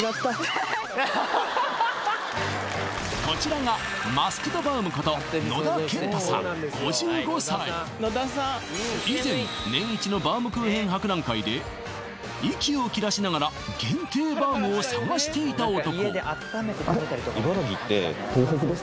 こちらが以前年イチのバウムクーヘン博覧会で息を切らしながら限定バウムを探していた男